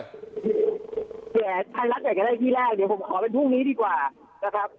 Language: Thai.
ถ้ารักษณ์ก็ได้ที่แรกเดี๋ยวผมขอเป็นพรุ่งนี้ดีกว่า